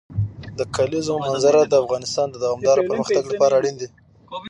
د کلیزو منظره د افغانستان د دوامداره پرمختګ لپاره اړین دي.